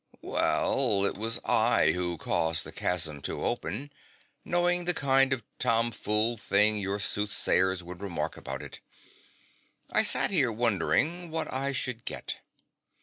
' Well, it was I who caused the chasm to open, knowing the kind of tomfool thing your soothsayers would remark about it. I sat here wondering what I should get.